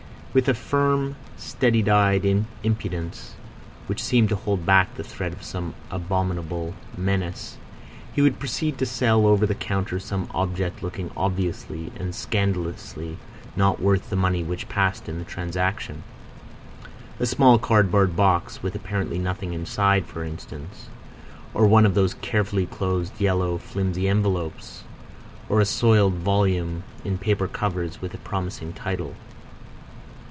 With a firm, steady eyed impudence, which seemed to hold back the threat of some abominable menace, he would proceed to sell over the counter some object looking obviously and scandalously not worth the money which passed in the transaction: a small cardboard box with apparently nothing inside, for instance, or one of those carefully closed yellow flimsy envelopes, or a soiled volume in paper covers with a promising title.